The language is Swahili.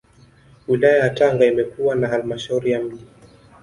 Wilaya ya Tanga imekuwa na Halmashauri ya Mji